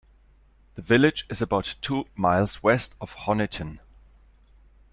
The village is about two miles west of Honiton.